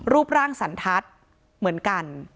รูปร่างสันทัศน์เหมือนกัน